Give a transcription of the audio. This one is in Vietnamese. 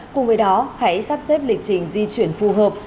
cùng với đó hãy sắp xếp lịch trình di chuyển phù hợp